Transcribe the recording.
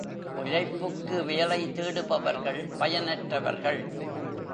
பிழைப்புக்கு வேலை தேடுபவர்கள் பயனற்றவர்கள்.